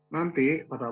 nanti pada waktu